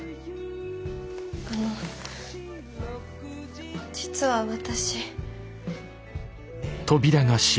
あの実は私。